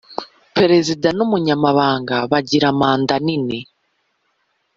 perezida n umunyamabanga Bagira mandanini